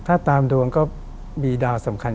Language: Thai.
ถ้าตามดวงก็มีดาวสำคัญ